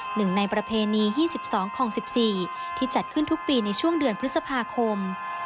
หนึ่งในประเพณีที่สิบสองของสิบสี่ที่จัดขึ้นทุกปีในช่วงเดือนพฤษภาคม